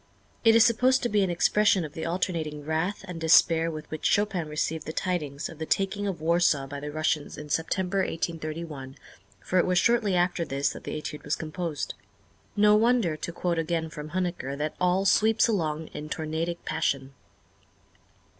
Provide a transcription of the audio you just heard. It is supposed to be an expression of the alternating wrath and despair with which Chopin received the tidings of the taking of Warsaw by the Russians in September, 1831, for it was shortly after this that the Étude was composed. No wonder, to quote again from Huneker, that "all sweeps along in tornadic passion."